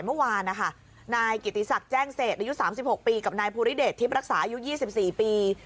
เมื่อวานนะคะนายกิติศักดิ์แจ้งเศษอายุ๓๖ปีกับนายภูริเดชทิพย์รักษาอายุ๒๔ปี